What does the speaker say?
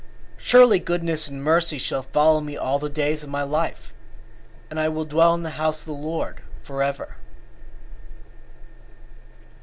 23:6 Surely goodness and mercy shall follow me all the days of my life: and I will dwell in the house of the LORD for ever.